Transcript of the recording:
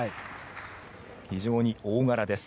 非常に大柄です。